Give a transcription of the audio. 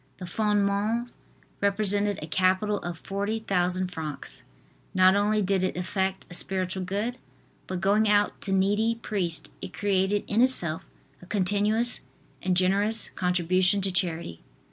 The "Fondements" represented a capital of 40,000 francs. Not only did it effect a spiritual good, but going out to needy priests it created in itself a continuous and generous contribution to charity.